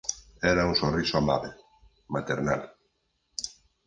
Era un sorriso amábel, maternal.